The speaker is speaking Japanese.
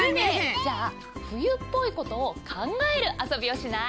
じゃあ冬っぽいことを考える遊びをしない？